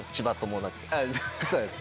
そうです。